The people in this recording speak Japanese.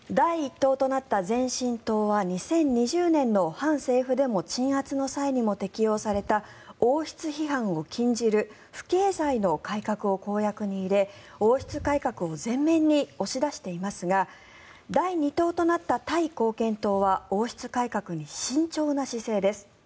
党となった前進党は２０２０年の反政府デモ鎮圧の際にも適用された王室批判を禁じる不敬罪の改革を公約に入れ王室改革を前面に押し出していますが第２党となったタイ貢献党は王室改革に慎重な姿勢です。